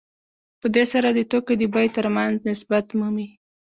په دې سره د توکو د بیې ترمنځ نسبت مومي